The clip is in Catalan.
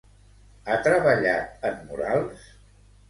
Ha treballat en murals?